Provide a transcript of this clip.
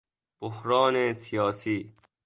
بحران سیاسی